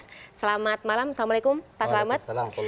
selamat malam assalamualaikum pak selamat